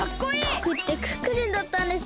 ぼくってクックルンだったんですね。